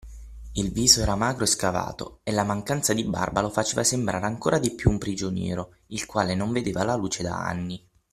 il viso era magro e scavato, e la mancanza di barba lo faceva sembrare ancora di più un prigioniero il quale non vedeva la luce da anni.